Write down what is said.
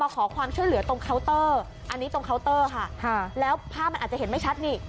ขอความช่วยเหลือตรงเคาน์เตอร์อันนี้ตรงเคาน์เตอร์ค่ะแล้วภาพมันอาจจะเห็นไม่ชัดนี่